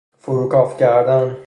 فروکافت کردن